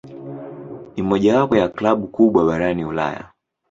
Ni mojawapo ya klabu kubwa barani Ulaya.